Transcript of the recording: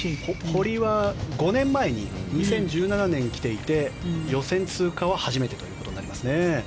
堀は５年前に２０１７年に来ていて予選通過は初めてとなりますね。